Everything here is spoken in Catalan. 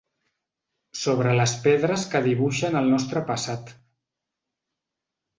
Sobre les pedres que dibuixen el nostre passat.